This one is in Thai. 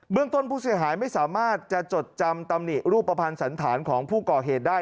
ต้นผู้เสียหายไม่สามารถจะจดจำตำหนิรูปภัณฑ์สันธารของผู้ก่อเหตุได้